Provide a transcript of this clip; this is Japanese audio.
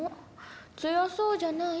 強そうじゃない。